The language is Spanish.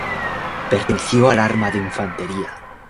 Perteneció al arma de infantería.